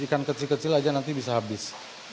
ikan kecil kecil aja nanti bisa habis